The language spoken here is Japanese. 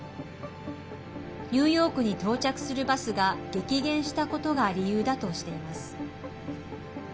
ニューヨークに到着するバスが激減したことが理由だとしています。